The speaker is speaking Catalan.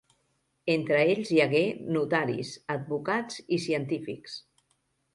Entre ells hi hagué notaris, advocats i científics.